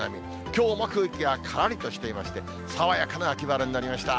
きょうも空気がからりとしていまして、爽やかな秋晴れになりました。